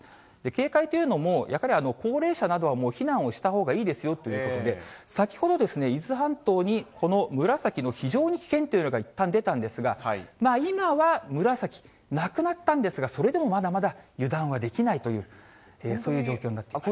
警戒というのも、やはり高齢者などはもう避難をしたほうがいいですよということで、先ほど、伊豆半島にこの紫の非常に危険という色がいったん出たんですが、今は紫、なくなったんですが、それでもまだまだ油断はできないという、そういう状況になっています。